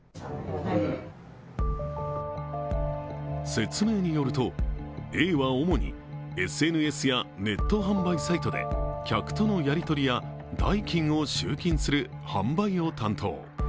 説明によると、Ａは主にＳＮＳやネット販売サイトで客とのやり取りや代金を集金する販売を担当。